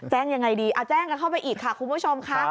ยังไงดีแจ้งกันเข้าไปอีกค่ะคุณผู้ชมค่ะ